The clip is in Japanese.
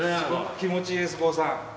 気持ちいいです郷さん。